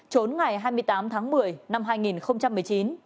trốn ngày hai mươi tám tháng một mươi năm hai nghìn một mươi chín